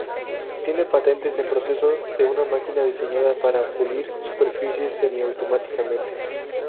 Tiene patentes en procesos de una máquina diseñada para pulir superficies semi-automáticamente.